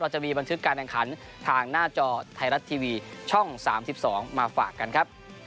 จะมีบันทึกการแข่งขันทางหน้าจอไทยรัฐทีวีช่อง๓๒มาฝากกันครับ